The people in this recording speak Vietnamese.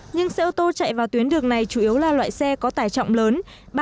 nhưng xe ô tô chạy vào tuyến đường này chủ yếu là loại xe có tải trọng lớn ba bốn mươi